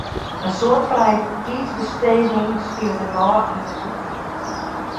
In soad frijetiidsbesteging spilet him ôf yn de bûtenloft.